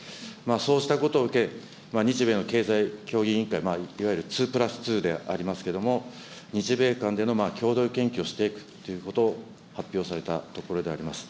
そうしたことを受け、日米の経済協議委員会、いわゆる２プラス２でありますけれども、日米間での共同研究をしていくということを発表されたところであります。